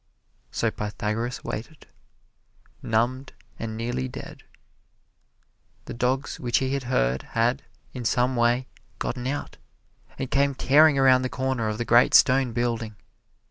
So Pythagoras waited, numbed and nearly dead. The dogs which he had heard had, in some way, gotten out, and came tearing around the corner of the great stone building.